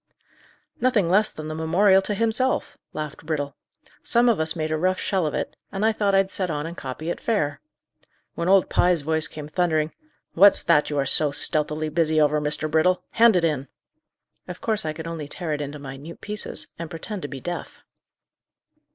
"Nothing less than the memorial to himself," laughed Brittle. "Some of us made a rough shell of it, and I thought I'd set on and copy it fair. When old Pye's voice came thundering, 'What's that you are so stealthily busy over, Mr. Brittle? hand it in,' of course I could only tear it into minute pieces, and pretend to be deaf."